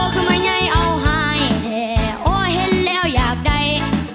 กูมาไหนเอาให้